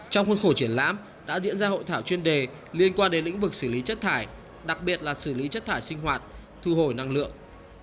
trong khuôn khổ triển lãm đã diễn ra hội thảo chuyên đề liên quan đến lĩnh vực xử lý chất thải đặc biệt là xử lý chất thải sinh hoạt thu hồi năng lượng